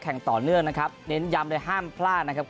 ต่อเนื่องนะครับเน้นย้ำเลยห้ามพลาดนะครับ